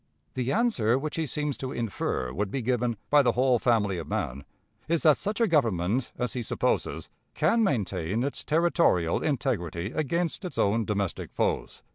The answer which he seems to infer would be given "by the whole family of man" is that such a government as he supposes "can maintain its territorial integrity against its own domestic foes."